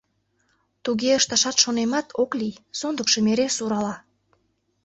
Туге ышташат шонемат, ок лий: сондыкшым эре сурала.